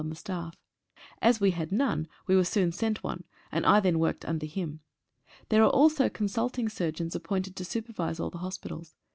on the staff. As we had none we were soon sent one, and I then worked under him. There are also consulting surgeons ap pointed to supervise all the hospitals.